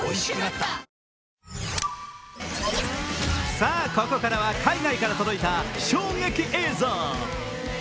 さあ、ここからは海外から届いた衝撃映像。